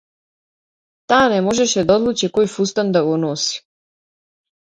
Таа не можеше да одлучи кој фустан да го носи.